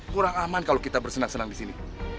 kurang aman kalau kita bersenang senang disini